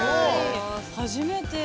初めて。